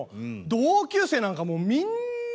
同級生なんかもうみんな同い年。